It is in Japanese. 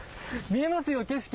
見えますよ、景色。